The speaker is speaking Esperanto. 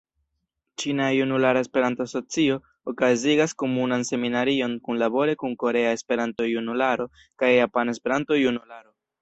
Ĉina Junulara Esperanto-Asocio okazigas Komunan Seminarion kunlabore kun Korea Esperanto-Junularo kaj Japana Esperanto-Junularo.